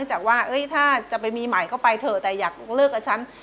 เพราะว่าถ้าจะเป็นมีหมายอยากเลิกกับฉัน